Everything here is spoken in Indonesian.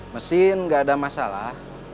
mesin enggak ada masalah